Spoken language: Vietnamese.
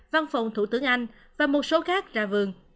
văn phòng thủ tướng anh và một số khác ra vườn